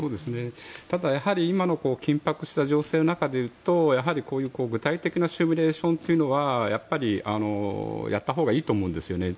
ただやはり今の緊迫した情勢の中でいうとやはりこういう、具体的なシミュレーションというのはやっぱりやったほうがいいと思うんですよね。